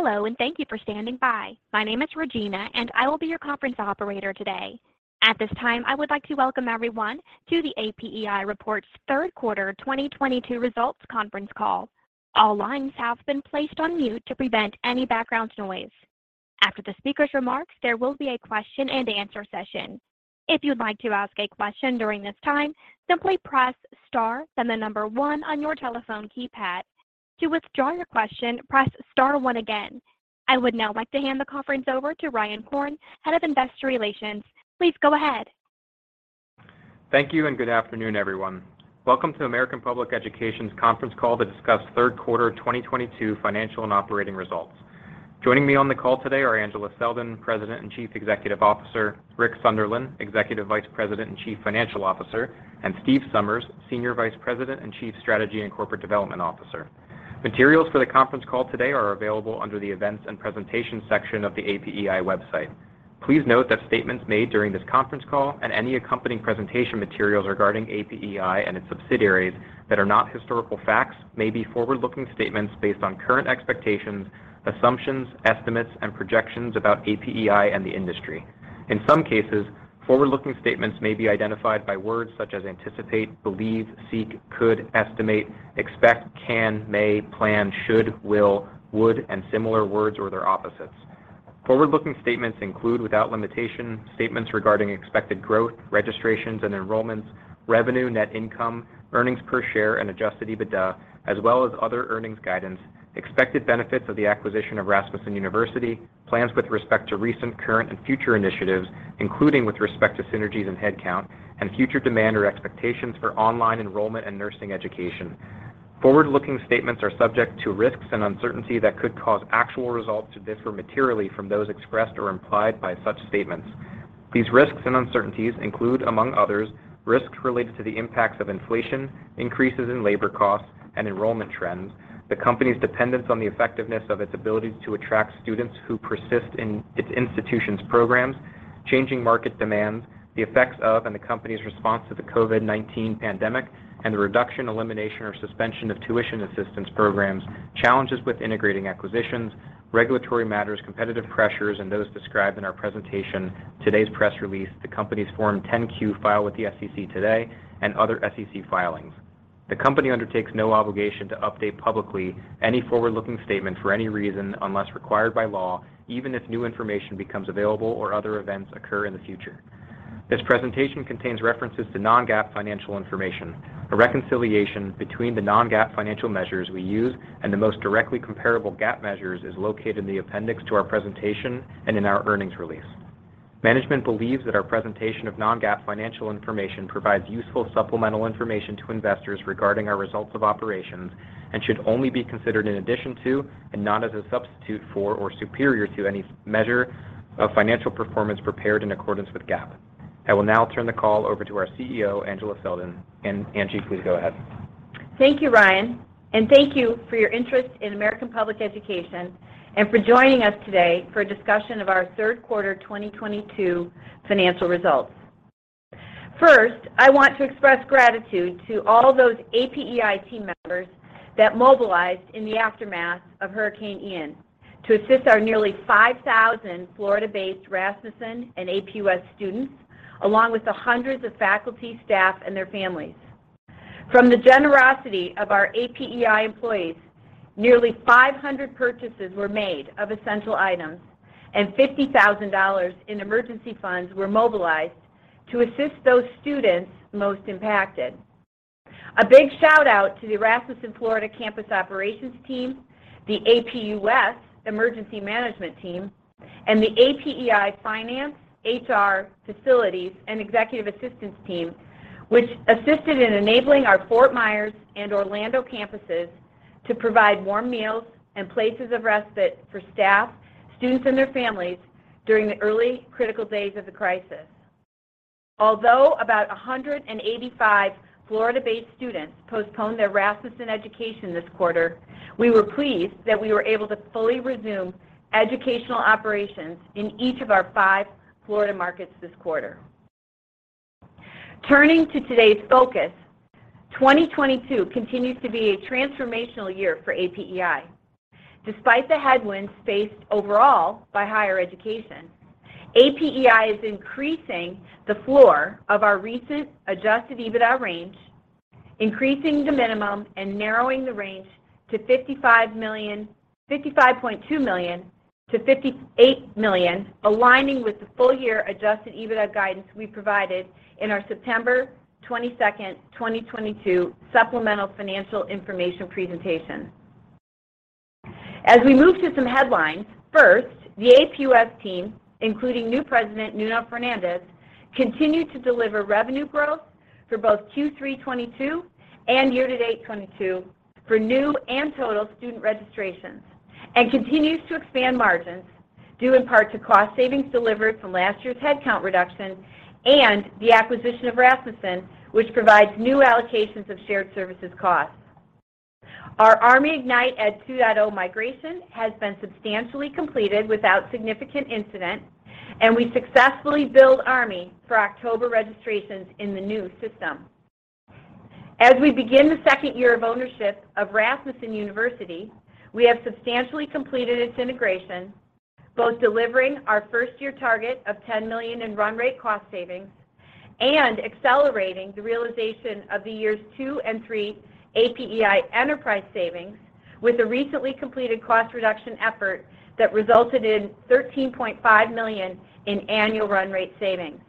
Hello, and thank you for standing by. My name is Regina, and I will be your conference operator today. At this time, I would like to welcome everyone to the APEI Reports Third Quarter 2022 Results Conference Call. All lines have been placed on mute to prevent any background noise. After the speaker's remarks, there will be a question and answer session. If you'd like to ask a question during this time, simply press star then number one on your telephone keypad. To withdraw your question, press star one again. I would now like to hand the conference over to Ryan Koren, Head of Investor Relations. Please go ahead. Thank you, and good afternoon, everyone. Welcome to American Public Education's conference call to discuss third quarter 2022 financial and operating results. Joining me on the call today are Angela Selden, President and Chief Executive Officer, Rick Sunderland, Executive Vice President and Chief Financial Officer, and Steve Somers, Senior Vice President and Chief Strategy and Corporate Development Officer. Materials for the conference call today are available under the Events and Presentation section of the APEI website. Please note that statements made during this conference call and any accompanying presentation materials regarding APEI and its subsidiaries that are not historical facts may be forward-looking statements based on current expectations, assumptions, estimates, and projections about APEI and the industry. In some cases, forward-looking statements may be identified by words such as anticipate, believe, seek, could, estimate, expect, can, may, plan, should, will, would, and similar words or their opposites. Forward-looking statements include, without limitation, statements regarding expected growth, registrations and enrollments, revenue, net income, earnings per share, and Adjusted EBITDA, as well as other earnings guidance, expected benefits of the acquisition of Rasmussen University, plans with respect to recent, current, and future initiatives, including with respect to synergies and headcount, and future demand or expectations for online enrollment and nursing education. Forward-looking statements are subject to risks and uncertainty that could cause actual results to differ materially from those expressed or implied by such statements. These risks and uncertainties include, among others, risks related to the impacts of inflation, increases in labor costs and enrollment trends, the company's dependence on the effectiveness of its ability to attract students who persist in its institutions' programs, changing market demands, the effects of and the company's response to the COVID-19 pandemic, and the reduction, elimination, or suspension of tuition assistance programs, challenges with integrating acquisitions, regulatory matters, competitive pressures, and those described in our presentation, today's press release, the company's Form 10-Q filed with the SEC today, and other SEC filings. The company undertakes no obligation to update publicly any forward-looking statement for any reason unless required by law, even if new information becomes available or other events occur in the future. This presentation contains references to non-GAAP financial information. A reconciliation between the non-GAAP financial measures we use and the most directly comparable GAAP measures is located in the appendix to our presentation and in our earnings release. Management believes that our presentation of non-GAAP financial information provides useful supplemental information to investors regarding our results of operations and should only be considered in addition to and not as a substitute for or superior to any measure of financial performance prepared in accordance with GAAP. I will now turn the call over to our CEO, Angela Selden. Angie, please go ahead. Thank you, Ryan. Thank you for your interest in American Public Education and for joining us today for a discussion of our third quarter 2022 financial results. First, I want to express gratitude to all those APEI team members that mobilized in the aftermath of Hurricane Ian to assist our nearly 5,000 Florida-based Rasmussen and APUS students, along with the hundreds of faculty, staff, and their families. From the generosity of our APEI employees, nearly 500 purchases were made of essential items, and $50,000 in emergency funds were mobilized to assist those students most impacted. A big shout out to the Rasmussen Florida campus operations team, the APUS emergency management team, and the APEI finance, HR, facilities, and executive assistance team, which assisted in enabling our Fort Myers and Orlando campuses to provide warm meals and places of respite for staff, students, and their families during the early critical days of the crisis. Although about 185 Florida-based students postponed their Rasmussen education this quarter, we were pleased that we were able to fully resume educational operations in each of our five Florida markets this quarter. Turning to today's focus, 2022 continues to be a transformational year for APEI. Despite the headwinds faced overall by higher education, APEI is increasing the floor of our recent Adjusted EBITDA range, increasing the minimum, and narrowing the range $55.2 million to $58 million, aligning with the full-year Adjusted EBITDA guidance we provided in our September 22, 2022 supplemental financial information presentation. As we move to some headlines, first, the APUS team, including new president Nuno Fernandes, continued to deliver revenue growth for both Q3 2022 and year-to-date 2022 for new and total student registrations and continues to expand margins due in part to cost savings delivered from last year's headcount reduction and the acquisition of Rasmussen, which provides new allocations of shared services costs. Our ArmyIgnitED 2.0 migration has been substantially completed without significant incident, and we successfully billed Army for October registrations in the new system. As we begin the second year of ownership of Rasmussen University, we have substantially completed its integration, both delivering our first-year target of $10 million in run rate cost savings and accelerating the realization of the years two and three APEI enterprise savings with a recently completed cost reduction effort that resulted in $13.5 million in annual run rate savings.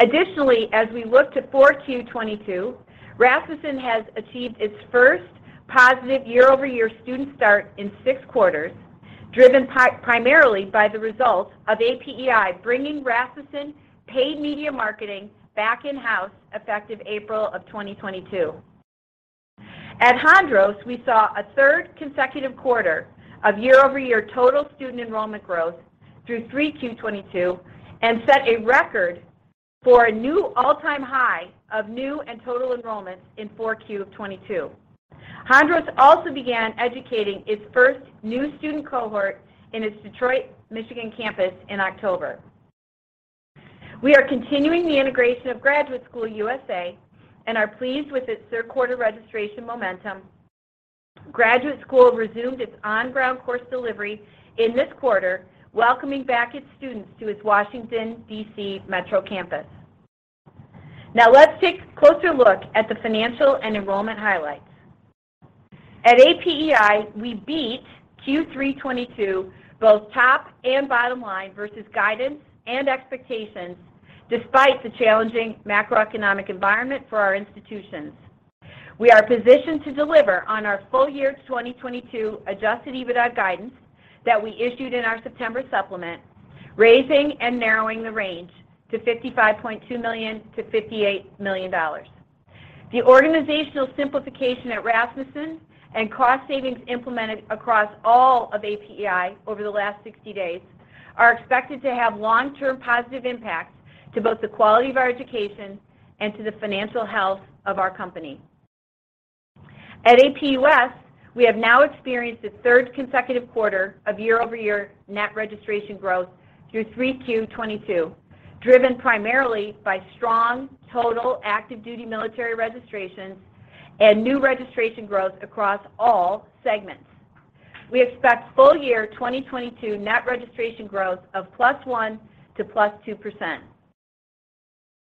Additionally, as we look to 4Q 2022, Rasmussen has achieved its first positive year-over-year student start in six quarters, driven primarily by the results of APEI bringing Rasmussen paid media marketing back in-house effective April 2022. At Hondros, we saw a third consecutive quarter of year-over-year total student enrollment growth through 3Q 2022 and set a record for a new all-time high of new and total enrollments in 4Q 2022. Hondros also began educating its first new student cohort in its Detroit, Michigan campus in October. We are continuing the integration of Graduate School U.S.A. and are pleased with its third quarter registration momentum. Graduate School resumed its on-ground course delivery in this quarter, welcoming back its students to its Washington, D.C. metro campus. Now let's take a closer look at the financial and enrollment highlights. At APEI, we beat Q3 2022 both top and bottom line versus guidance and expectations despite the challenging macroeconomic environment for our institutions. We are positioned to deliver on our full year 2022 Adjusted EBITDA guidance that we issued in our September supplement, raising and narrowing the range to $55.2 million-$58 million. The organizational simplification at Rasmussen and cost savings implemented across all of APEI over the last 60 days are expected to have long-term positive impacts to both the quality of our education and to the financial health of our company. At APUS, we have now experienced a third consecutive quarter of year-over-year net registration growth through 3Q 2022, driven primarily by strong total active duty military registrations and new registration growth across all segments. We expect full year 2022 net registration growth of +1% to +2%.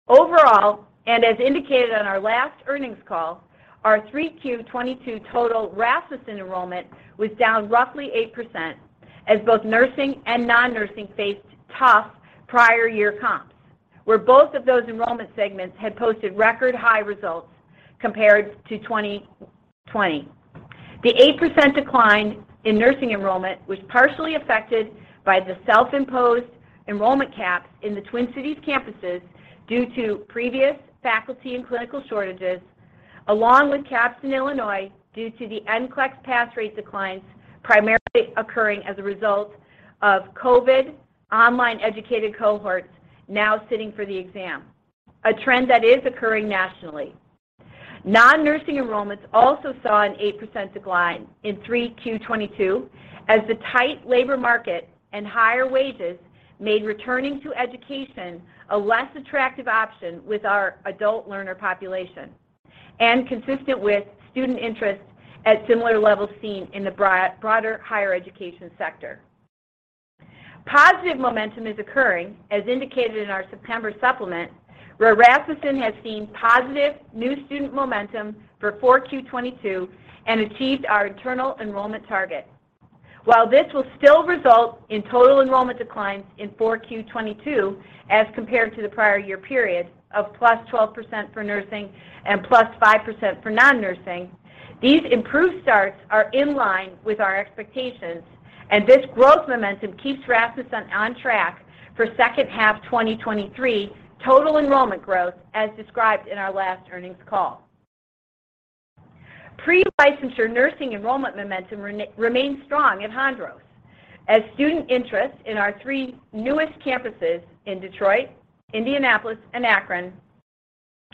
Overall, as indicated on our last earnings call, our 3Q 2022 total Rasmussen enrollment was down roughly 8% as both nursing and non-nursing faced tough prior year comps, where both of those enrollment segments had posted record high results compared to 2020. The 8% decline in nursing enrollment was partially affected by the self-imposed enrollment caps in the Twin Cities campuses due to previous faculty and clinical shortages, along with caps in Illinois due to the NCLEX pass rate declines primarily occurring as a result of COVID online educated cohorts now sitting for the exam, a trend that is occurring nationally. Non-nursing enrollments also saw an 8% decline in 3Q 2022 as the tight labor market and higher wages made returning to education a less attractive option with our adult learner population and consistent with student interest at similar levels seen in the broader higher education sector. Positive momentum is occurring as indicated in our September supplement, where Rasmussen has seen positive new student momentum for 4Q 2022 and achieved our internal enrollment target. While this will still result in total enrollment declines in 4Q 2022 as compared to the prior year period of +12% for nursing and +5% for non-nursing, these improved starts are in line with our expectations and this growth momentum keeps Rasmussen on track for second half 2023 total enrollment growth as described in our last earnings call. Pre-licensure nursing enrollment momentum remains strong at Hondros as student interest in our three newest campuses in Detroit, Indianapolis, and Akron,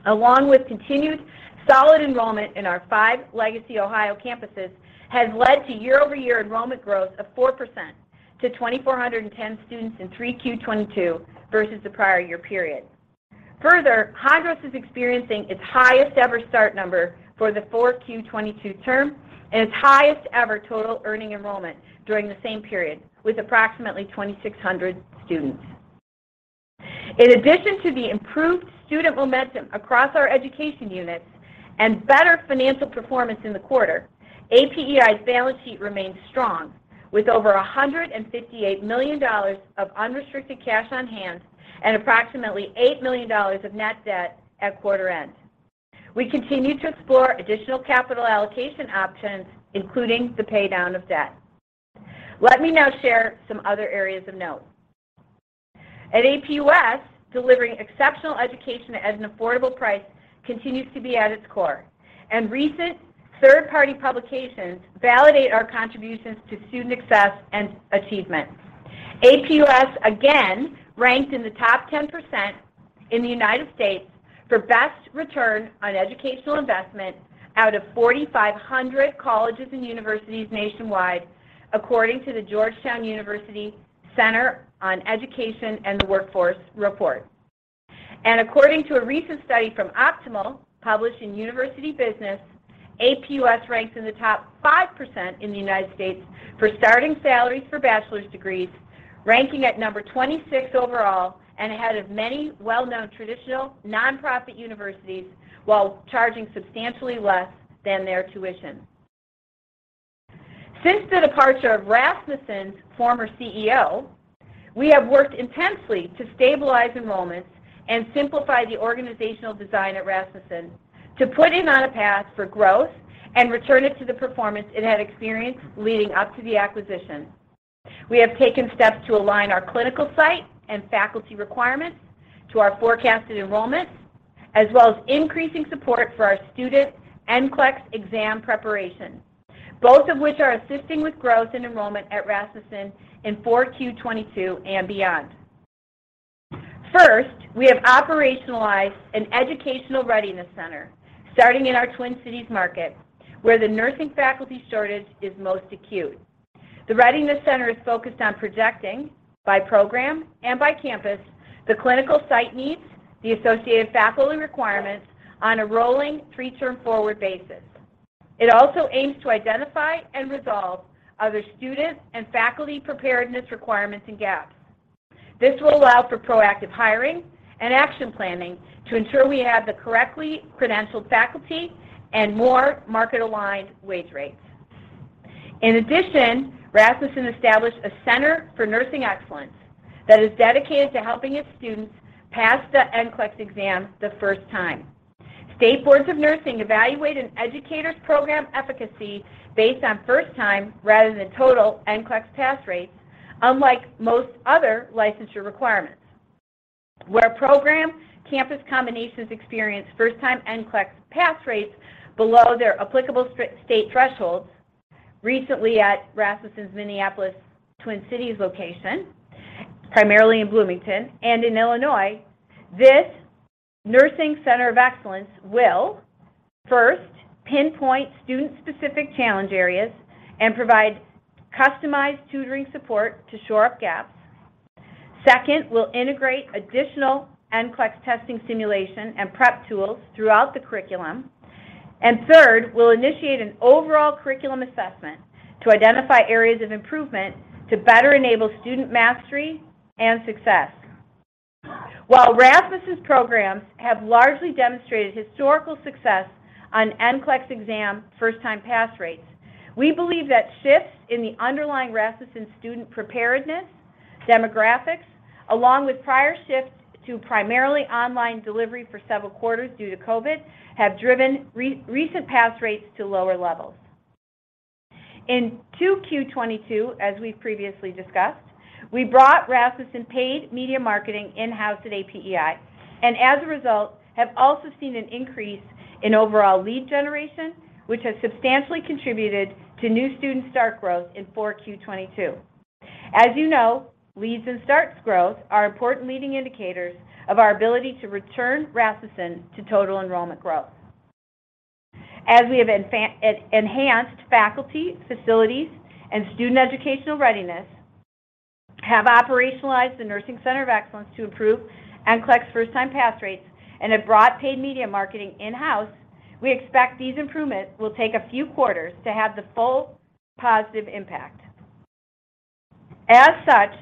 along with continued solid enrollment in our five legacy Ohio campuses, has led to year-over-year enrollment growth of 4% to 2,410 students in 3Q 2022 versus the prior year period. Further, Hondros is experiencing its highest ever start number for the 4Q 2022 term and its highest ever total earning enrollment during the same period with approximately 2,600 students. In addition to the improved student momentum across our education units and better financial performance in the quarter, APEI's balance sheet remains strong with over $158 million of unrestricted cash on hand and approximately $8 million of net debt at quarter end. We continue to explore additional capital allocation options, including the paydown of debt. Let me now share some other areas of note. At APUS, delivering exceptional education at an affordable price continues to be at its core, and recent third-party publications validate our contributions to student success and achievement. APUS again ranked in the top 10% in the United States for best return on educational investment out of 4,500 colleges and universities nationwide according to the Georgetown University Center on Education and the Workforce report. According to a recent study from Optimal, published in University Business, APUS ranks in the top 5% in the United States for starting salaries for bachelor's degrees, ranking at number 26 overall and ahead of many well-known traditional nonprofit universities while charging substantially less than their tuition. Since the departure of Rasmussen's former CEO, we have worked intensely to stabilize enrollments and simplify the organizational design at Rasmussen to put it on a path for growth and return it to the performance it had experienced leading up to the acquisition. We have taken steps to align our clinical site and faculty requirements to our forecasted enrollments, as well as increasing support for our student NCLEX exam preparation, both of which are assisting with growth in enrollment at Rasmussen in 4Q 2022 and beyond. First, we have operationalized an educational readiness center starting in our Twin Cities market, where the nursing faculty shortage is most acute. The readiness center is focused on projecting by program and by campus the clinical site needs, the associated faculty requirements on a rolling three-term forward basis. It also aims to identify and resolve other student and faculty preparedness requirements and gaps. This will allow for proactive hiring and action planning to ensure we have the correctly credentialed faculty and more market-aligned wage rates. In addition, Rasmussen established a Center for Nursing Excellence that is dedicated to helping its students pass the NCLEX exam the first time. State boards of nursing evaluate an educator's program efficacy based on first-time rather than total NCLEX pass rates, unlike most other licensure requirements. Where program campus combinations experience first-time NCLEX pass rates below their applicable state thresholds. Recently at Rasmussen's Minneapolis Twin Cities location, primarily in Bloomington and in Illinois, this Nursing Center of Excellence will, first, pinpoint student-specific challenge areas and provide customized tutoring support to shore up gaps. Second, we'll integrate additional NCLEX testing simulation and prep tools throughout the curriculum. Third, we'll initiate an overall curriculum assessment to identify areas of improvement to better enable student mastery and success. While Rasmussen's programs have largely demonstrated historical success on NCLEX exam first-time pass rates, we believe that shifts in the underlying Rasmussen student preparedness, demographics, along with prior shifts to primarily online delivery for several quarters due to COVID, have driven recent pass rates to lower levels. In 2Q 2022, as we've previously discussed, we brought Rasmussen paid media marketing in-house at APEI, and as a result, have also seen an increase in overall lead generation, which has substantially contributed to new student start growth in 4Q 2022. As you know, leads and starts growth are important leading indicators of our ability to return Rasmussen to total enrollment growth. As we have enhanced faculty, facilities, and student educational readiness, have operationalized the Nursing Center of Excellence to improve NCLEX first-time pass rates, and have brought paid media marketing in-house, we expect these improvements will take a few quarters to have the full positive impact. As such,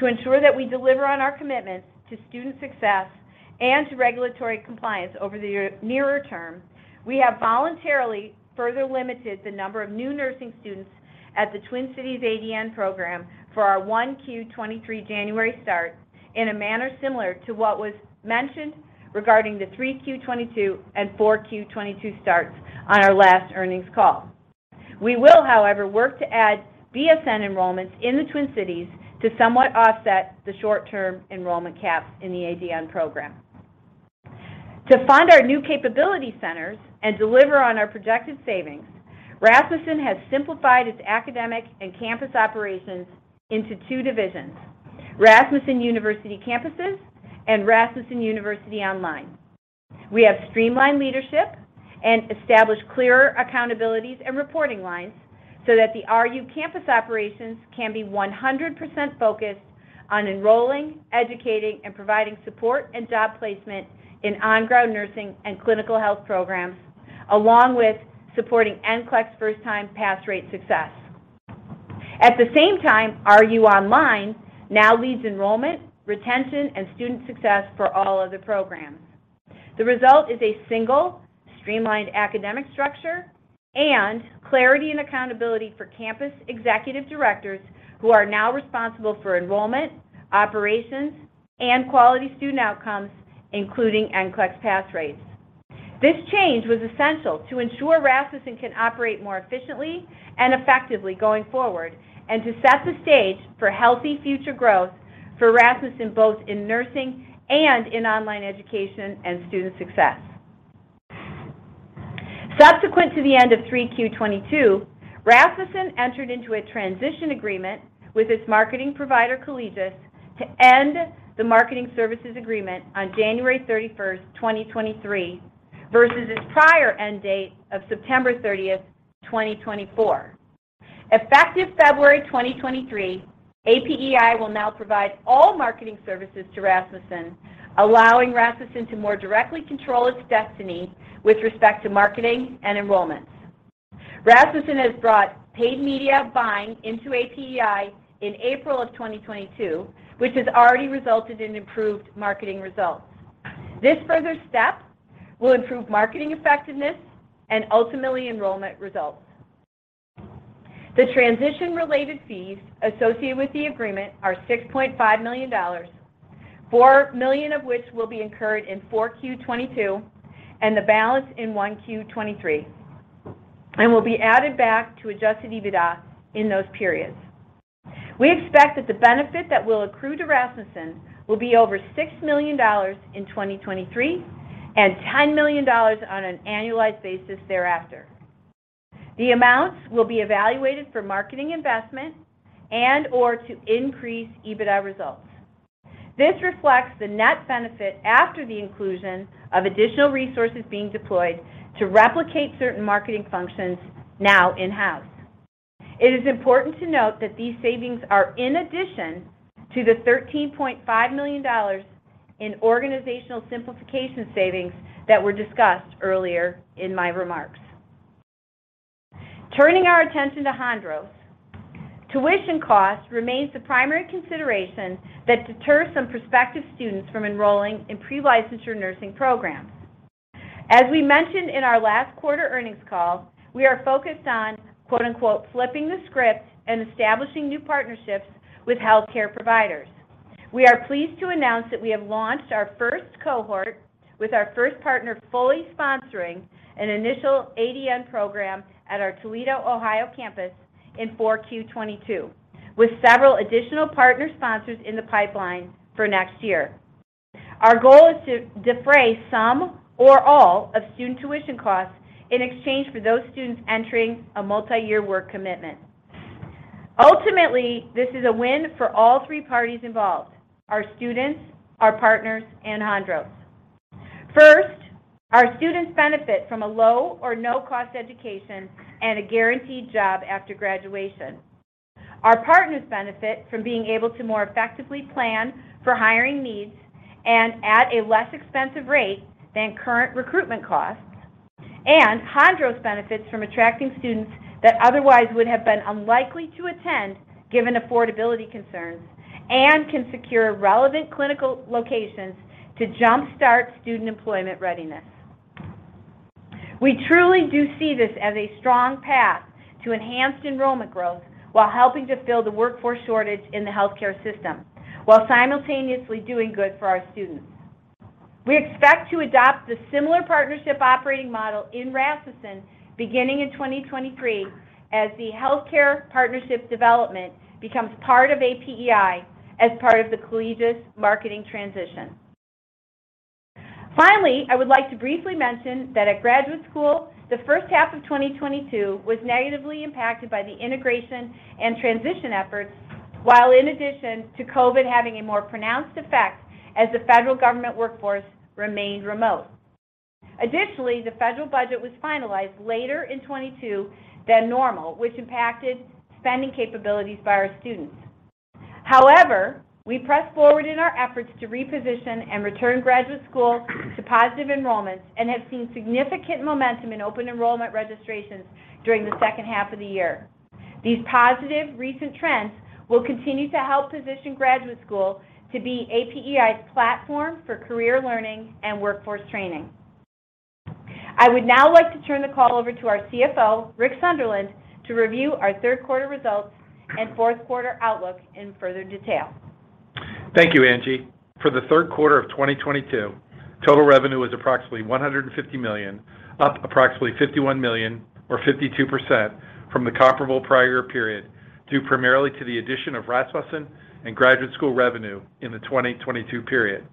to ensure that we deliver on our commitments to student success and to regulatory compliance over the nearer term, we have voluntarily further limited the number of new nursing students at the Twin Cities ADN program for our 1Q 2023 January start in a manner similar to what was mentioned regarding the 3Q 2022 and 4Q 2022 starts on our last earnings call. We will, however, work to add BSN enrollments in the Twin Cities to somewhat offset the short-term enrollment caps in the ADN program. To fund our new capability centers and deliver on our projected savings, Rasmussen has simplified its academic and campus operations into two divisions, Rasmussen University Campuses and Rasmussen University Online. We have streamlined leadership and established clearer accountabilities and reporting lines so that the RU campus operations can be 100% focused on enrolling, educating, and providing support and job placement in on-ground nursing and clinical health programs, along with supporting NCLEX first-time pass rate success. At the same time, RU Online now leads enrollment, retention, and student success for all other programs. The result is a single, streamlined academic structure and clarity and accountability for campus executive directors who are now responsible for enrollment, operations, and quality student outcomes, including NCLEX pass rates. This change was essential to ensure Rasmussen can operate more efficiently and effectively going forward and to set the stage for healthy future growth for Rasmussen, both in nursing and in online education and student success. Subsequent to the end of Q3 2022, Rasmussen entered into a transition agreement with its marketing provider, Collegis, to end the marketing services agreement on January 31, 2023 versus its prior end date of September 30, 2024. Effective February 2023, APEI will now provide all marketing services to Rasmussen, allowing Rasmussen to more directly control its destiny with respect to marketing and enrollments. Rasmussen has brought paid media buying into APEI in April 2022, which has already resulted in improved marketing results. This further step will improve marketing effectiveness and ultimately enrollment results. The transition-related fees associated with the agreement are $6.5 million, $4 million of which will be incurred in 4Q 2022, and the balance in 1Q 2023, and will be added back to Adjusted EBITDA in those periods. We expect that the benefit that will accrue to Rasmussen will be over $6 million in 2023, and $10 million on an annualized basis thereafter. The amounts will be evaluated for marketing investment and, or to increase EBITDA results. This reflects the net benefit after the inclusion of additional resources being deployed to replicate certain marketing functions now in-house. It is important to note that these savings are in addition to the $13.5 million in organizational simplification savings that were discussed earlier in my remarks. Turning our attention to Hondros, tuition costs remains the primary consideration that deters some prospective students from enrolling in pre-licensure nursing programs. As we mentioned in our last quarter earnings call, we are focused on, quote-unquote, "flipping the script and establishing new partnerships with healthcare providers." We are pleased to announce that we have launched our first cohort with our first partner fully sponsoring an initial ADN program at our Toledo, Ohio campus in Q4 2022, with several additional partner sponsors in the pipeline for next year. Our goal is to defray some or all of student tuition costs in exchange for those students entering a multiyear work commitment. Ultimately, this is a win for all three parties involved, our students, our partners, and Hondros. First, our students benefit from a low or no-cost education and a guaranteed job after graduation. Our partners benefit from being able to more effectively plan for hiring needs and at a less expensive rate than current recruitment costs. Hondros benefits from attracting students that otherwise would have been unlikely to attend given affordability concerns and can secure relevant clinical locations to jumpstart student employment readiness. We truly do see this as a strong path to enhanced enrollment growth while helping to fill the workforce shortage in the healthcare system, while simultaneously doing good for our students. We expect to adopt a similar partnership operating model in Rasmussen beginning in 2023 as the healthcare partnership development becomes part of APEI as part of the Collegis marketing transition. Finally, I would like to briefly mention that at Graduate School, the first half of 2022 was negatively impacted by the integration and transition efforts, while in addition to COVID having a more pronounced effect as the federal government workforce remained remote. Additionally, the federal budget was finalized later in 2022 than normal, which impacted spending capabilities by our students. However, we pressed forward in our efforts to reposition and return Graduate School to positive enrollments and have seen significant momentum in open enrollment registrations during the second half of the year. These positive recent trends will continue to help position Graduate School to be APEI's platform for career learning and workforce training. I would now like to turn the call over to our CFO, Rick Sunderland, to review our third quarter results and fourth quarter outlook in further detail. Thank you, Angie. For the third quarter of 2022, total revenue was approximately $150 million, up approximately $51 million or 52% from the comparable prior period, due primarily to the addition of Rasmussen and Graduate School revenue in the 2022 period.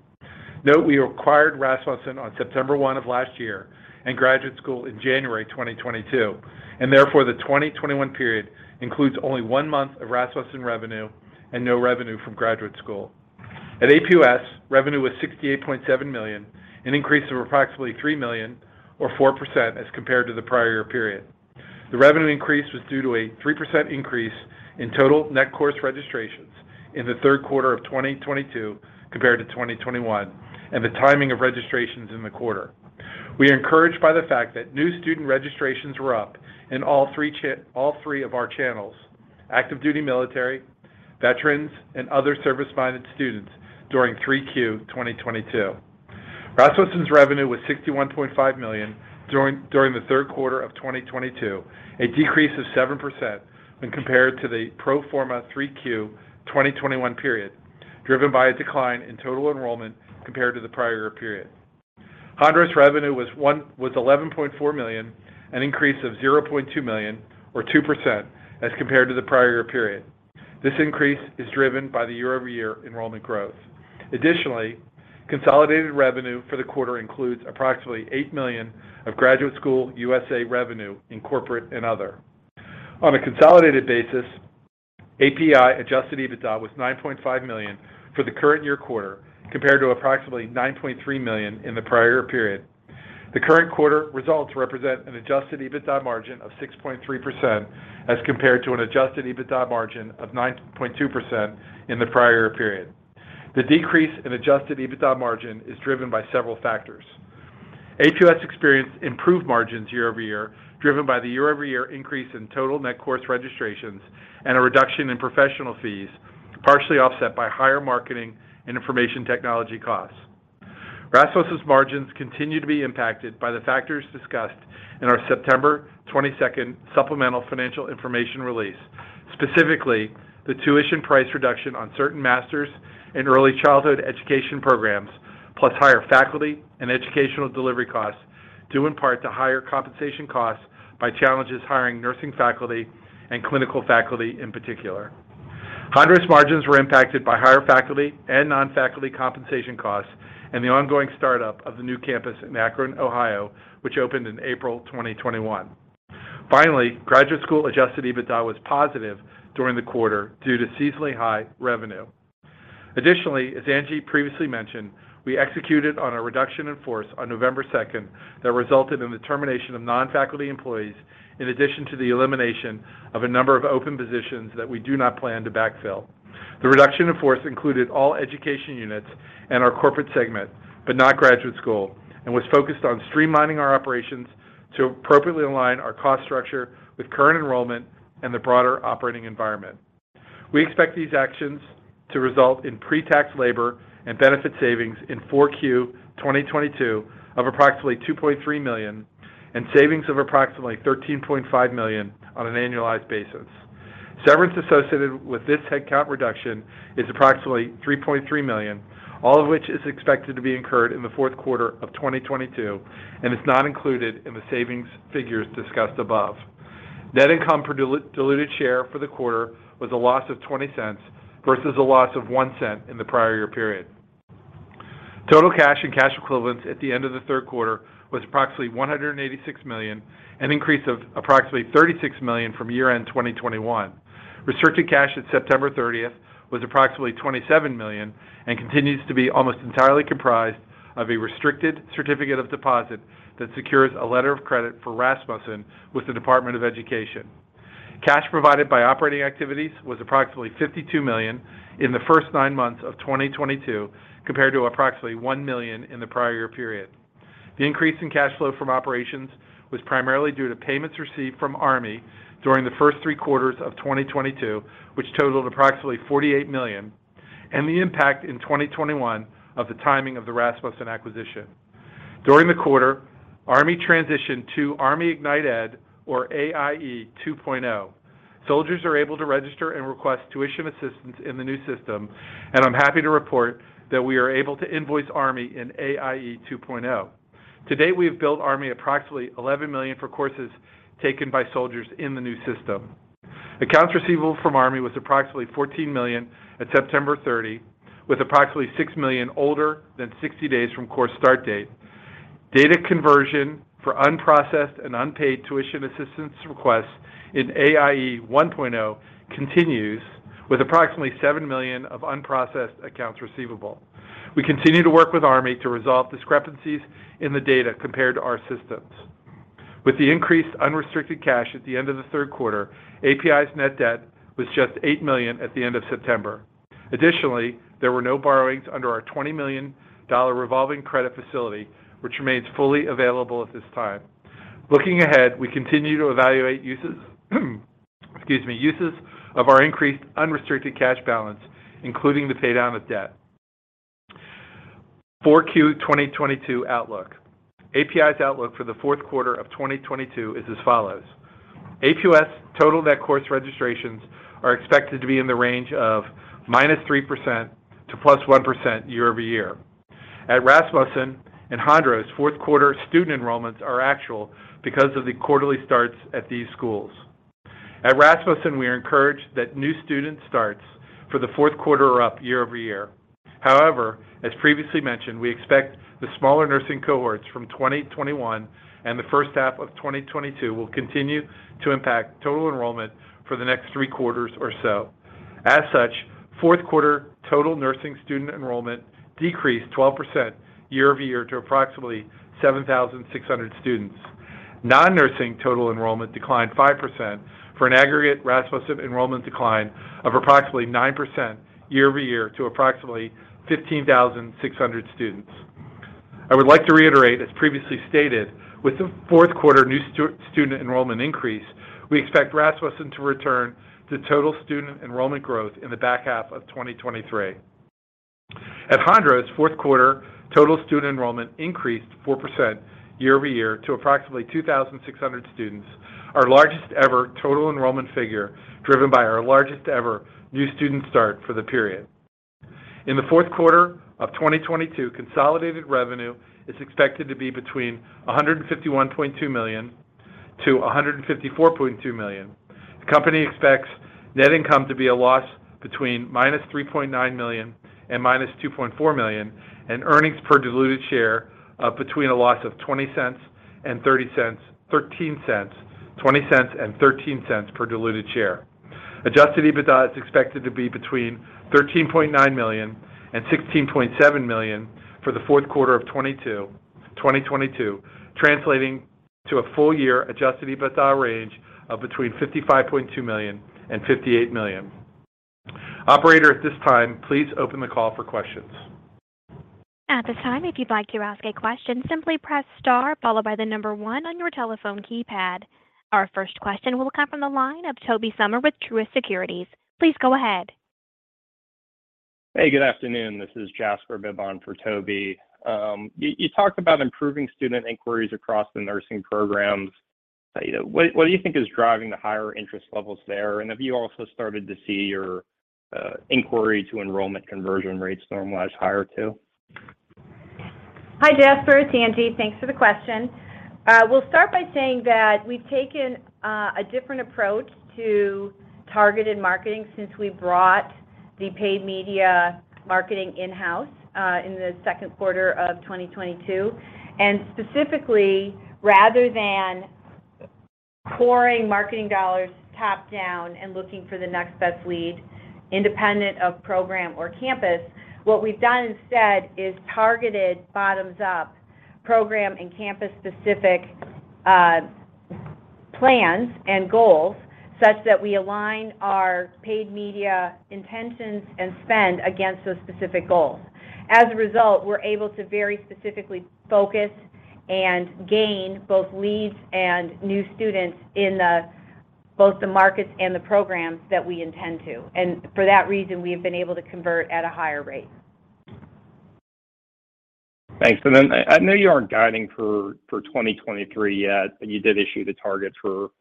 Note, we acquired Rasmussen on September 1 of last year and Graduate School in January 2022, and therefore, the 2021 period includes only one month of Rasmussen revenue and no revenue from Graduate School. At APUS, revenue was $68.7 million, an increase of approximately $3 million or 4% as compared to the prior period. The revenue increase was due to a 3% increase in total net course registrations in the third quarter of 2022 compared to 2021 and the timing of registrations in the quarter. We are encouraged by the fact that new student registrations were up in all three of our channels, active duty military, veterans, and other service-minded students during 3Q 2022. Rasmussen's revenue was $61.5 million during the third quarter of 2022, a decrease of 7% when compared to the pro forma 3Q 2021 period, driven by a decline in total enrollment compared to the prior period. Hondros revenue was $11.4 million, an increase of $0.2 million or 2% as compared to the prior period. This increase is driven by the year-over-year enrollment growth. Additionally, consolidated revenue for the quarter includes approximately $8 million of Graduate School U.S.A. revenue in corporate and other. On a consolidated basis, APEI Adjusted EBITDA was $9.5 million for the current year quarter compared to approximately $9.3 million in the prior period. The current quarter results represent an Adjusted EBITDA margin of 6.3% as compared to an Adjusted EBITDA margin of 9.2% in the prior period. The decrease in Adjusted EBITDA margin is driven by several factors. APUS experienced improved margins year-over-year, driven by the year-over-year increase in total net course registrations and a reduction in professional fees, partially offset by higher marketing and information technology costs. Rasmussen's margins continue to be impacted by the factors discussed in our September 22 supplemental financial information release, specifically the tuition price reduction on certain master's in early childhood education programs, plus higher faculty and educational delivery costs due in part to higher compensation costs and challenges hiring nursing faculty and clinical faculty in particular. Hondros margins were impacted by higher faculty and non-faculty compensation costs and the ongoing startup of the new campus in Akron, Ohio, which opened in April 2021. Finally, Graduate School Adjusted EBITDA was positive during the quarter due to seasonally high revenue. Additionally, as Angie previously mentioned, we executed on a reduction in force on November 2 that resulted in the termination of non-faculty employees in addition to the elimination of a number of open positions that we do not plan to backfill. The reduction in force included all education units and our corporate segment, but not Graduate School, and was focused on streamlining our operations to appropriately align our cost structure with current enrollment and the broader operating environment. We expect these actions to result in pre-tax labor and benefit savings in Q4 2022 of approximately $2.3 million and savings of approximately $13.5 million on an annualized basis. Severance associated with this headcount reduction is approximately $3.3 million, all of which is expected to be incurred in the fourth quarter of 2022 and is not included in the savings figures discussed above. Net income per diluted share for the quarter was a loss of $0.20 versus a loss of $0.01 in the prior year period. Total cash and cash equivalents at the end of the third quarter was approximately $186 million, an increase of approximately $36 million from year-end 2021. Restricted cash at September 30 was approximately $27 million and continues to be almost entirely comprised of a restricted certificate of deposit that secures a letter of credit for Rasmussen with the Department of Education. Cash provided by operating activities was approximately $52 million in the first nine months of 2022 compared to approximately $1 million in the prior year period. The increase in cash flow from operations was primarily due to payments received from Army during the first three quarters of 2022, which totaled approximately $48 million, and the impact in 2021 of the timing of the Rasmussen acquisition. During the quarter, Army transitioned to ArmyIgnitED or AIE 2.0. Soldiers are able to register and request tuition assistance in the new system. I'm happy to report that we are able to invoice Army in AIE 2.0. To date, we have billed Army approximately $11 million for courses taken by soldiers in the new system. Accounts receivable from Army was approximately $14 million at September 30, with approximately $6 million older than 60 days from course start date. Data conversion for unprocessed and unpaid tuition assistance requests in AIE 1.0 continues, with approximately $7 million of unprocessed accounts receivable. We continue to work with Army to resolve discrepancies in the data compared to our systems. With the increased unrestricted cash at the end of the third quarter, APEI's net debt was just $8 million at the end of September. Additionally, there were no borrowings under our $20 million revolving credit facility, which remains fully available at this time. Looking ahead, we continue to evaluate uses of our increased unrestricted cash balance, including the pay down of debt. 4Q 2022 outlook. APEI's outlook for the fourth quarter of 2022 is as follows. APUS total net course registrations are expected to be in the range of -3% to +1% year-over-year. At Rasmussen and Hondros, fourth quarter student enrollments are actual because of the quarterly starts at these schools. At Rasmussen, we are encouraged that new student starts for the fourth quarter are up year-over-year. However, as previously mentioned, we expect the smaller nursing cohorts from 2021 and the first half of 2022 will continue to impact total enrollment for the next three quarters or so. As such, fourth quarter total nursing student enrollment decreased 12% year-over-year to approximately 7,600 students. Non-nursing total enrollment declined 5% for an aggregate Rasmussen enrollment decline of approximately 9% year-over-year to approximately 15,600 students. I would like to reiterate, as previously stated, with the fourth quarter new student enrollment increase, we expect Rasmussen to return to total student enrollment growth in the back half of 2023. At Hondros, fourth quarter total student enrollment increased 4% year-over-year to approximately 2,600 students, our largest ever total enrollment figure driven by our largest ever new student start for the period. In the fourth quarter of 2022, consolidated revenue is expected to be between $151.2 million-$154.2 million. The company expects net income to be a loss between -$3.9 million and -$2.4 million, and earnings per diluted share between a loss of $0.20 and $0.13 per diluted share. Adjusted EBITDA is expected to be between $13.9 million and $16.7 million for the fourth quarter of 2022, translating to a full year Adjusted EBITDA range of between $55.2 million and $58 million. Operator, at this time, please open the call for questions. At this time, if you'd like to ask a question, simply press star followed by the number one on your telephone keypad. Our first question will come from the line of Tobey Sommer with Truist Securities. Please go ahead. Hey, good afternoon. This is Jasper Bibb for Toby. You talked about improving student inquiries across the nursing programs. You know, what do you think is driving the higher interest levels there? Have you also started to see your inquiry to enrollment conversion rates normalize higher too? Hi, Jasper, it's Angie. Thanks for the question. We'll start by saying that we've taken a different approach to targeted marketing since we brought the paid media marketing in-house in the second quarter of 2022. Specifically, rather than pouring marketing dollars top-down and looking for the next best lead independent of program or campus, what we've done instead is targeted bottoms-up program and campus-specific plans and goals such that we aligned our paid media intentions and spend against those specific goals. As a result, we're able to very specifically focus and gain both leads and new students in both the markets and the programs that we intend to. For that reason, we have been able to convert at a higher rate. Thanks. I know you aren't guiding for 2023 yet, but you did issue the target for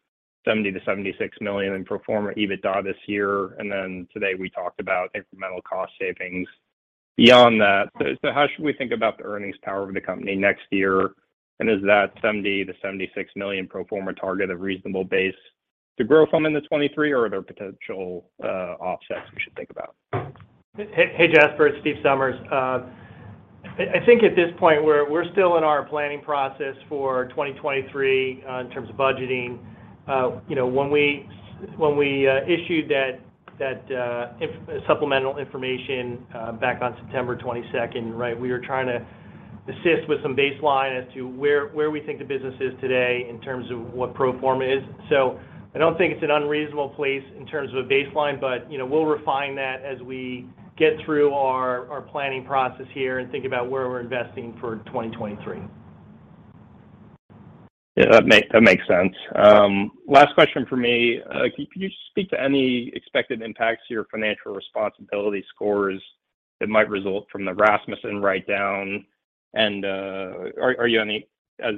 $70-$76 million in pro forma EBITDA this year, and today we talked about incremental cost savings beyond that. How should we think about the earnings power of the company next year? Is that $70-$76 million pro forma target a reasonable base to grow from into 2023, or are there potential offsets we should think about? Hey, Jasper, it's Steve Somers. I think at this point we're still in our planning process for 2023, in terms of budgeting. You know, when we issued that supplemental information back on September 22, right, we were trying to assist with some baseline as to where we think the business is today in terms of what pro forma is. I don't think it's an unreasonable place in terms of a baseline, but, you know, we'll refine that as we get through our planning process here and think about where we're investing for 2023. Yeah, that makes sense. Last question from me. Can you speak to any expected impacts to your financial responsibility scores that might result from the Rasmussen write-down? As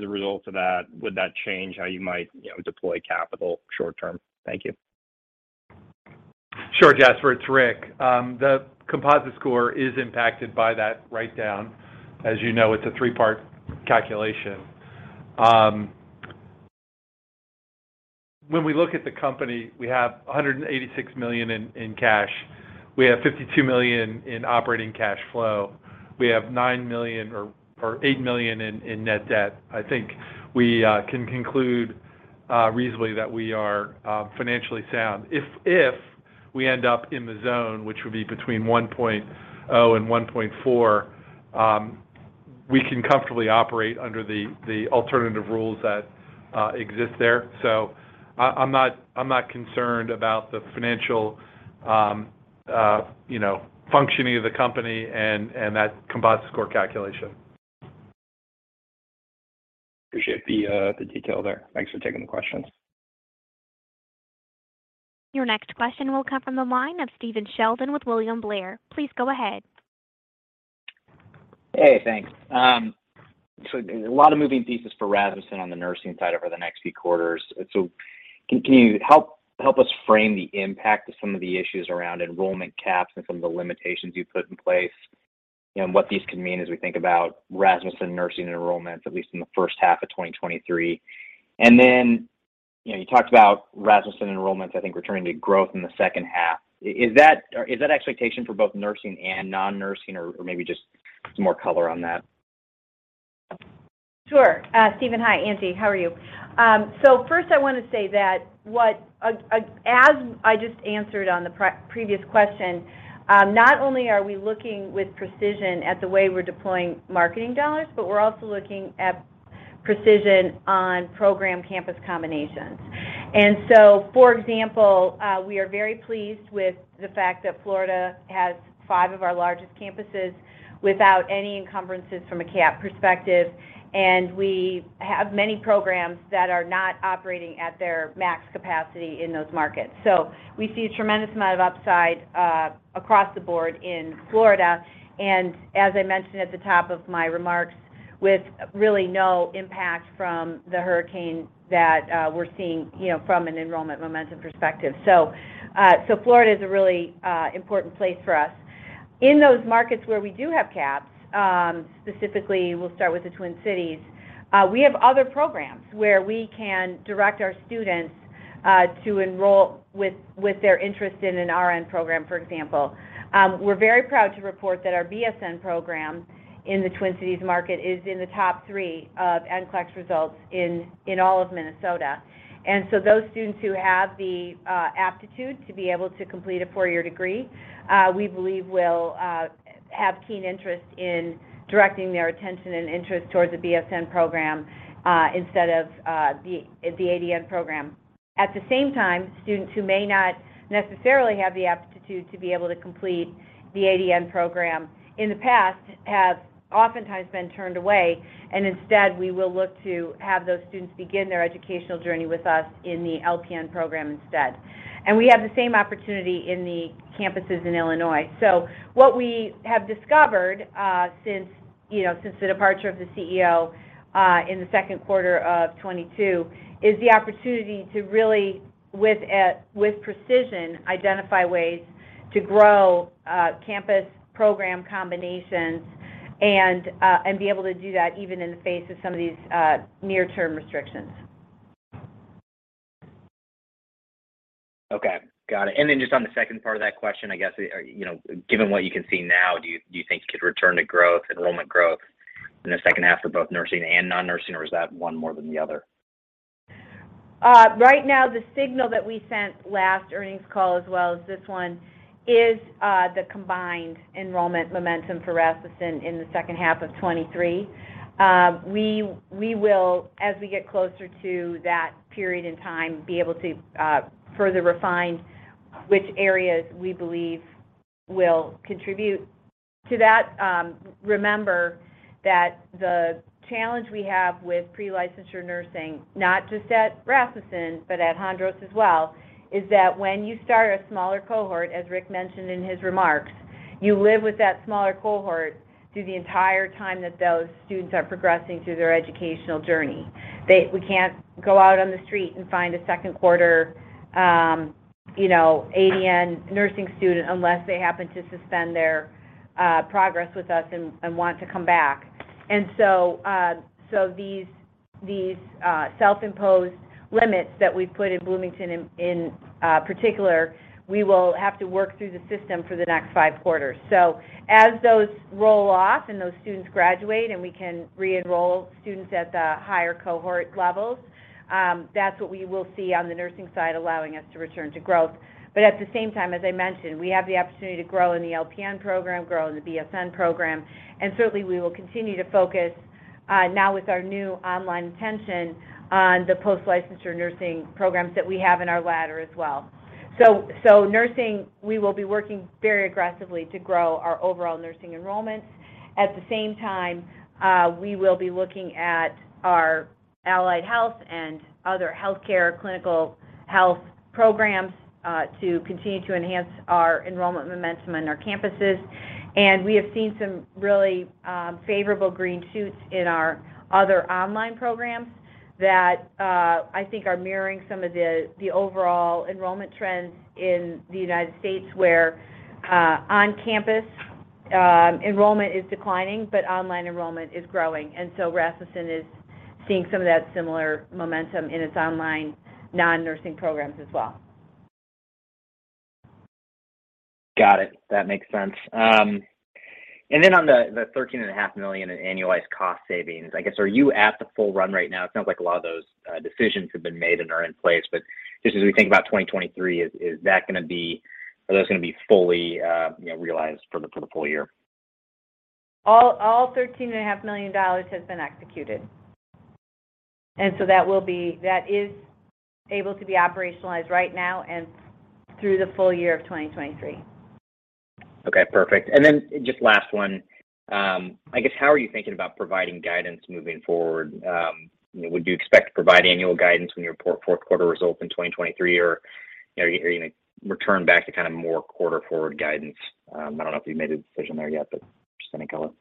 a result of that, would that change how you might, you know, deploy capital short term? Thank you. Sure, Jasper, it's Rick. The composite score is impacted by that write-down. As you know, it's a three-part calculation. When we look at the company, we have $186 million in cash. We have $52 million in operating cash flow. We have $9 million or $8 million in net debt. I think we can conclude reasonably that we are financially sound. If we end up in the zone, which would be between 1.0 and 1.4, we can comfortably operate under the alternative rules that exist there. I'm not concerned about the financial, you know, functioning of the company and that composite score calculation. Appreciate the detail there. Thanks for taking the questions. Your next question will come from the line of Stephen Sheldon with William Blair. Please go ahead. Hey, thanks. A lot of moving pieces for Rasmussen on the nursing side over the next few quarters. Can you help us frame the impact of some of the issues around enrollment caps and some of the limitations you've put in place and what these could mean as we think about Rasmussen nursing enrollments, at least in the first half of 2023. You know, you talked about Rasmussen enrollments, I think, returning to growth in the second half. Is that expectation for both nursing and non-nursing or maybe just some more color on that? Sure. Steven, hi, Angie. How are you? First I wanna say that as I just answered on the previous question, not only are we looking with precision at the way we're deploying marketing dollars, but we're also looking at precision on program campus combinations. For example, we are very pleased with the fact that Florida has five of our largest campuses without any encumbrances from a cap perspective, and we have many programs that are not operating at their max capacity in those markets. We see a tremendous amount of upside across the board in Florida, and as I mentioned at the top of my remarks, with really no impact from the hurricane that we're seeing, you know, from an enrollment momentum perspective. Florida is a really important place for us. In those markets where we do have caps, specifically, we'll start with the Twin Cities, we have other programs where we can direct our students to enroll with their interest in an RN program, for example. We're very proud to report that our BSN program in the Twin Cities market is in the top three of NCLEX results in all of Minnesota. Those students who have the aptitude to be able to complete a four-year degree, we believe will have keen interest in directing their attention and interest towards a BSN program, instead of the ADN program. At the same time, students who may not necessarily have the aptitude to be able to complete the ADN program in the past have oftentimes been turned away, and instead, we will look to have those students begin their educational journey with us in the LPN program instead. We have the same opportunity in the campuses in Illinois. What we have discovered since you know, since the departure of the CEO in the second quarter of 2022 is the opportunity to really with precision identify ways to grow campus program combinations and be able to do that even in the face of some of these near-term restrictions. Okay. Got it. Just on the second part of that question, I guess, you know, given what you can see now, do you think you could return to growth, enrollment growth in the second half for both nursing and non-nursing, or is that one more than the other? Right now, the signal that we sent last earnings call as well as this one is the combined enrollment momentum for Rasmussen in the second half of 2023. We will, as we get closer to that period in time, be able to further refine which areas we believe will contribute to that. Remember that the challenge we have with pre-licensure nursing, not just at Rasmussen, but at Hondros as well, is that when you start a smaller cohort, as Rick mentioned in his remarks, you live with that smaller cohort through the entire time that those students are progressing through their educational journey. We can't go out on the street and find a second quarter, you know, ADN nursing student unless they happen to suspend their progress with us and want to come back. These self-imposed limits that we've put in Bloomington in particular, we will have to work through the system for the next five quarters. As those roll off and those students graduate, and we can re-enroll students at the higher cohort levels, that's what we will see on the nursing side, allowing us to return to growth. At the same time, as I mentioned, we have the opportunity to grow in the LPN program, grow in the BSN program, and certainly, we will continue to focus now with our new online intention on the post-licensure nursing programs that we have in our ladder as well. Nursing, we will be working very aggressively to grow our overall nursing enrollments. At the same time, we will be looking at our allied health and other healthcare clinical health programs to continue to enhance our enrollment momentum on our campuses. We have seen some really favorable green shoots in our other online programs that I think are mirroring some of the overall enrollment trends in the United States, where on-campus enrollment is declining, but online enrollment is growing. Rasmussen is seeing some of that similar momentum in its online non-nursing programs as well. Got it. That makes sense. And then on the $13.5 million in annualized cost savings, I guess, are you at the full run right now? It sounds like a lot of those decisions have been made and are in place. Just as we think about 2023, are those gonna be fully, you know, realized for the full year? All $13.5 And a half million dollars has been executed. That is able to be operationalized right now and through the full year of 2023. Okay, perfect. Just last one. I guess, how are you thinking about providing guidance moving forward? You know, would you expect to provide annual guidance when you report fourth quarter results in 2023, or, you know, are you gonna return back to kinda more quarter forward guidance? I don't know if you've made a decision there yet, but just wanna call it.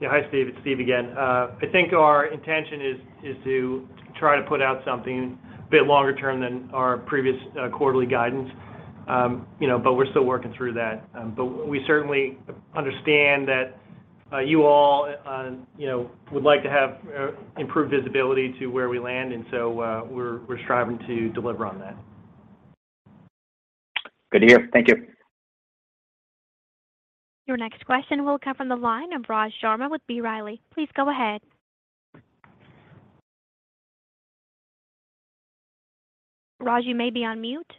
Yeah. Hi, Steve. It's Steve again. I think our intention is to try to put out something a bit longer term than our previous quarterly guidance. You know, we're still working through that. We certainly understand that, you all, you know, would like to have improved visibility to where we land, and so, we're striving to deliver on that. Good to hear. Thank you. Your next question will come from the line of Raj Sharma with B. Riley Securities. Please go ahead. Raj, you may be on mute.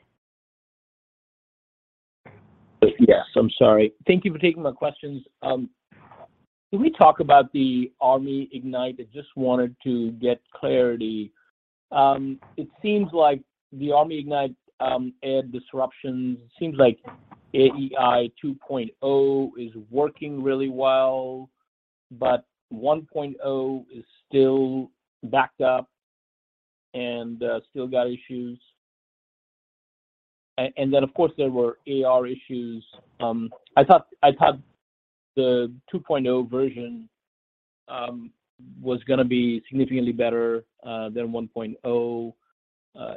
Yes. I'm sorry. Thank you for taking my questions. Can we talk about the ArmyIgnitED? I just wanted to get clarity. It seems like the ArmyIgnitED, AIE disruptions, it seems like AIE 2.0 is working really well, but 1.0 is still backed up and still got issues. And then, of course, there were AR issues. I thought the 2.0 version was gonna be significantly better than 1.0,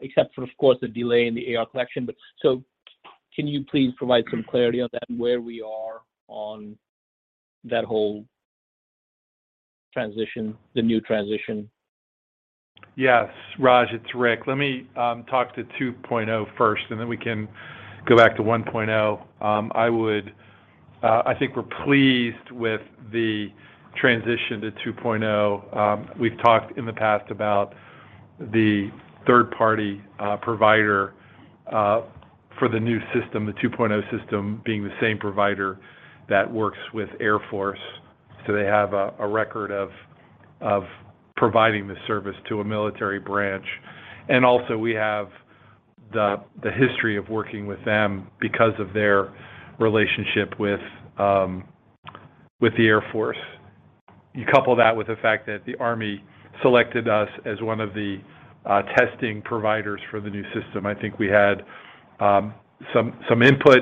except for, of course, the delay in the AR collection. Can you please provide some clarity on that, where we are on that whole transition, the new transition? Yes, Raj, it's Rick. Let me talk to 2.0 first, and then we can go back to 1.0. I think we're pleased with the transition to 2.0. We've talked in the past about the third-party provider for the new system, the 2.0 system, being the same provider that works with Air Force, so they have a record of providing the service to a military branch. Also, we have the history of working with them because of their relationship with the Air Force. You couple that with the fact that the Army selected us as one of the testing providers for the new system. I think we had some input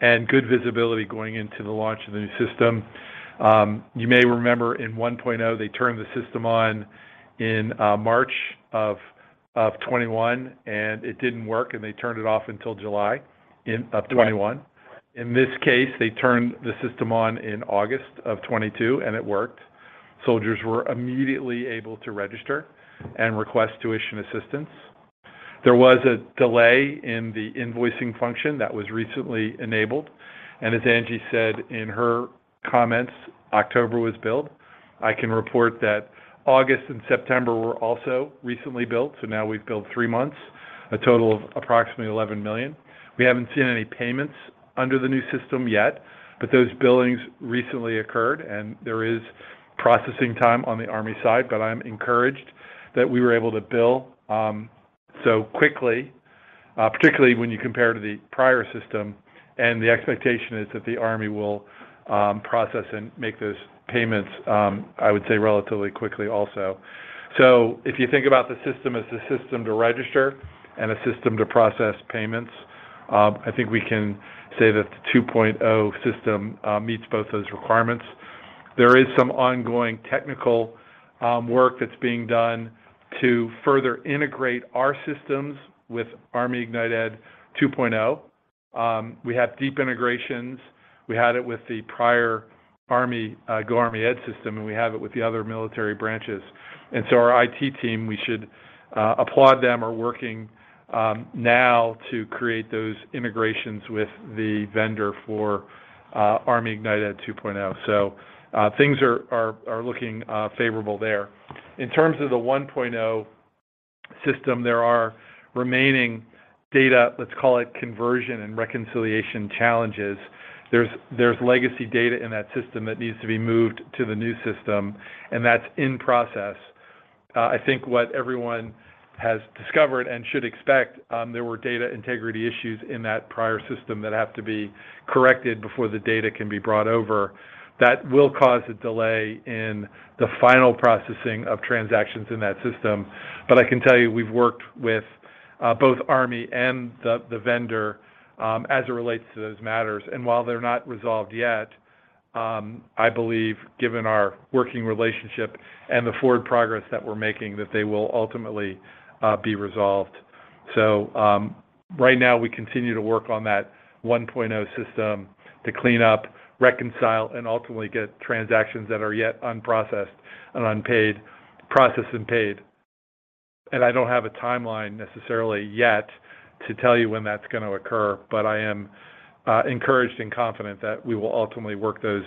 and good visibility going into the launch of the new system. You may remember in 1.0, they turned the system on in March of 2021, and it didn't work, and they turned it off until July of 2021. In this case, they turned the system on in August of 2022, and it worked. Soldiers were immediately able to register and request tuition assistance. There was a delay in the invoicing function that was recently enabled. As Angie said in her comments, October was billed. I can report that August and September were also recently billed, so now we've billed three months, a total of approximately $11 million. We haven't seen any payments under the new system yet, but those billings recently occurred, and there is processing time on the Army side, but I'm encouraged that we were able to bill so quickly, particularly when you compare to the prior system. The expectation is that the Army will process and make those payments, I would say, relatively quickly also. If you think about the system as a system to register and a system to process payments, I think we can say that the 2.0 system meets both those requirements. There is some ongoing technical work that's being done to further integrate our systems with ArmyIgnitED 2.0. We have deep integrations. We had it with the prior GoArmyEd system, and we have it with the other military branches. Our IT team, we should applaud them, are working now to create those integrations with the vendor for ArmyIgnitED 2.0. Things are looking favorable there. In terms of the 1.0 system, there are remaining data, let's call it conversion and reconciliation challenges. There's legacy data in that system that needs to be moved to the new system, and that's in process. I think what everyone has discovered and should expect, there were data integrity issues in that prior system that have to be corrected before the data can be brought over. That will cause a delay in the final processing of transactions in that system, but I can tell you, we've worked with both Army and the vendor as it relates to those matters. While they're not resolved yet, I believe, given our working relationship and the forward progress that we're making, that they will ultimately be resolved. Right now, we continue to work on that 1.0 system to clean up, reconcile, and ultimately get transactions that are yet unprocessed and unpaid, processed and paid. I don't have a timeline necessarily yet to tell you when that's gonna occur, but I am encouraged and confident that we will ultimately work those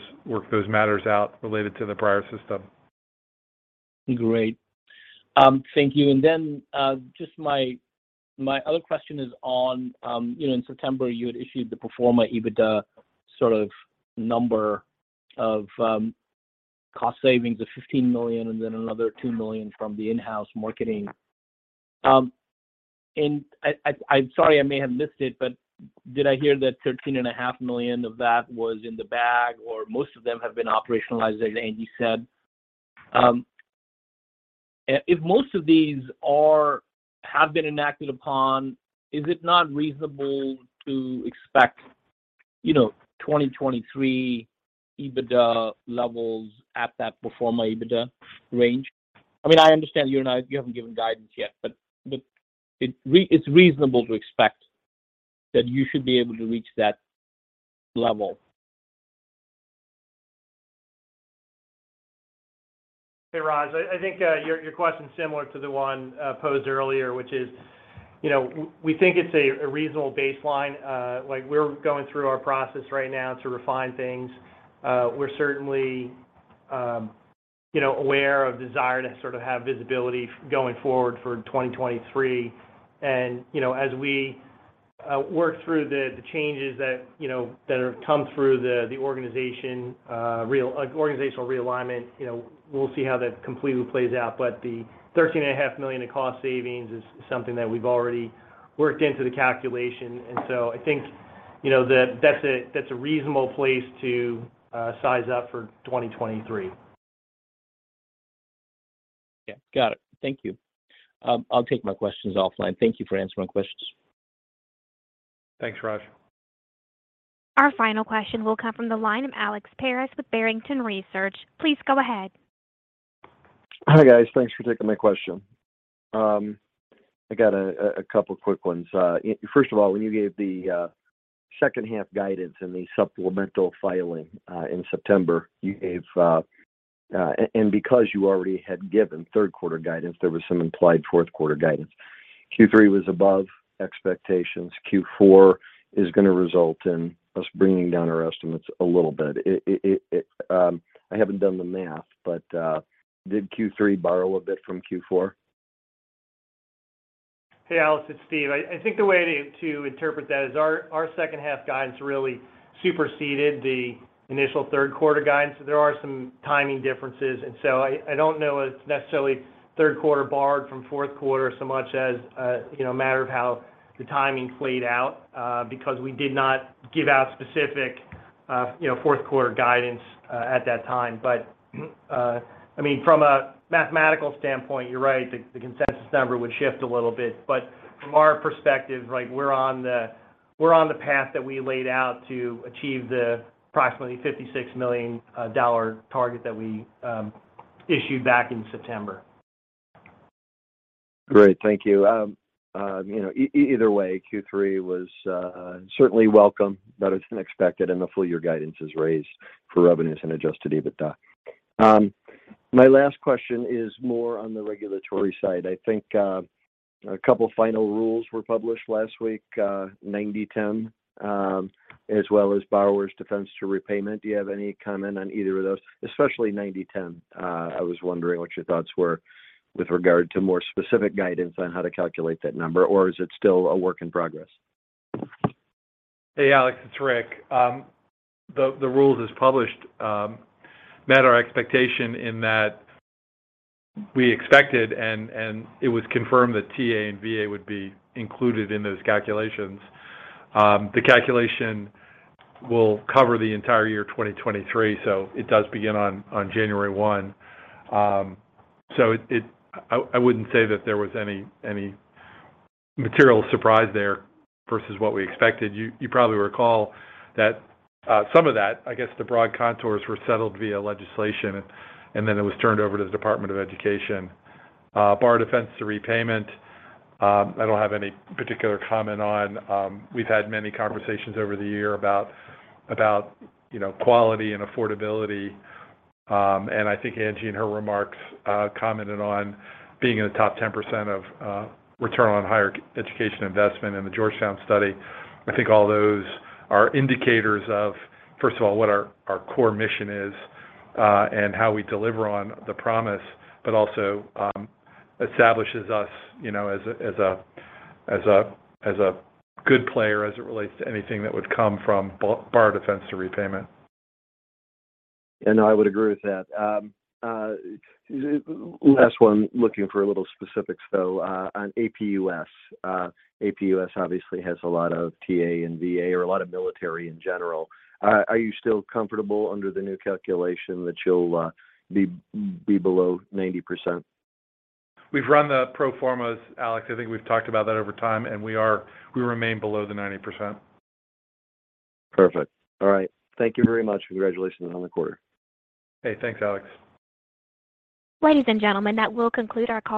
matters out related to the prior system. Great. Thank you. Just my other question is on, you know, in September, you had issued the pro forma EBITDA sort of number of cost savings of $15 million and then another $2 million from the in-house marketing. I'm sorry, I may have missed it, but did I hear that $13.5 million of that was in the bag, or most of them have been operationalized, as Angie said? If most of these have been enacted upon, is it not reasonable to expect, you know, 2023 EBITDA levels at that pro forma EBITDA range? I mean, I understand you haven't given guidance yet, but it's reasonable to expect that you should be able to reach that level. Hey, Raj. I think your question's similar to the one posed earlier, which is, you know, we think it's a reasonable baseline. Like, we're going through our process right now to refine things. We're certainly, you know, aware of desire to sort of have visibility going forward for 2023. You know, as we work through the changes that have come through the organizational realignment, you know, we'll see how that completely plays out, but the $13.5 million in cost savings is something that we've already worked into the calculation. I think, you know, that's a reasonable place to size up for 2023. Yeah. Got it. Thank you. I'll take my questions offline. Thank you for answering my questions. Thanks, Raj. Our final question will come from the line of Alexander Paris with Barrington Research. Please go ahead. Hi, guys. Thanks for taking my question. I got a couple quick ones. First of all, when you gave the second half guidance in the supplemental filing in September, you gave. Because you already had given third quarter guidance, there was some implied fourth quarter guidance. Q3 was above expectations. Q4 is gonna result in us bringing down our estimates a little bit. I haven't done the math, but did Q3 borrow a bit from Q4? Hey, Alex, it's Steve. I think the way to interpret that is our second half guidance really superseded the initial third quarter guidance. There are some timing differences. I don't know if it's necessarily third quarter borrowed from fourth quarter so much as you know, a matter of how the timing played out because we did not give out specific you know, fourth quarter guidance at that time. I mean, from a mathematical standpoint, you're right. The consensus number would shift a little bit. From our perspective, like, we're on the path that we laid out to achieve the approximately $56 million target that we issued back in September. Great. Thank you. You know, either way, Q3 was certainly welcome, better than expected, and the full year guidance is raised for revenues and Adjusted EBITDA. My last question is more on the regulatory side. I think a couple final rules were published last week, 90/10, as well as Borrower Defense to Repayment. Do you have any comment on either of those? Especially 90/10. I was wondering what your thoughts were with regard to more specific guidance on how to calculate that number, or is it still a work in progress? Hey, Alex, it's Rick. The rules as published met our expectation in that we expected and it was confirmed that TA and VA would be included in those calculations. The calculation will cover the entire year 2023, so it does begin on January 1. I wouldn't say that there was any material surprise there versus what we expected. You probably recall that some of that, I guess the broad contours were settled via legislation, and then it was turned over to the Department of Education. Borrower Defense to Repayment, I don't have any particular comment on. We've had many conversations over the year about you know, quality and affordability. I think Angie, in her remarks, commented on being in the top 10% of return on higher education investment in the Georgetown study. I think all those are indicators of, first of all, what our core mission is, and how we deliver on the promise, but also establishes us, you know, as a good player as it relates to anything that would come from Borrower Defense to Repayment. I would agree with that. Last one. Looking for a little specifics, though, on APUS. APUS obviously has a lot of TA and VA or a lot of military in general. Are you still comfortable under the new calculation that you'll be below 90%? We've run the pro formas, Alex. I think we've talked about that over time, and we remain below the 90%. Perfect. All right. Thank you very much. Congratulations on the quarter. Hey, thanks, Alex. Ladies and gentlemen, that will conclude our call for today.